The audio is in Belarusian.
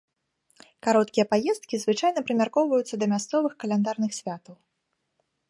Кароткія паездкі звычайна прымяркоўваюцца да мясцовых каляндарных святаў.